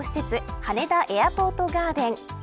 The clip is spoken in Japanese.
羽田エアポートガーデン。